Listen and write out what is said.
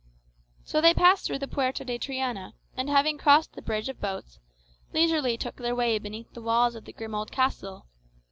So they passed through the Puerta de Triana, and having crossed the bridge of boats, leisurely took their way beneath the walls of the grim old castle.